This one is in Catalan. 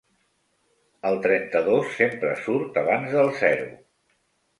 El trenta-dos sempre surt abans del zero.